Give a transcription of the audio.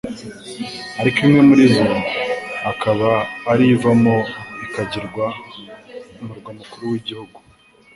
ariko imwe muri zo akaba ariyo ivamo ikagirwa umurwa mukuru w'igihugu.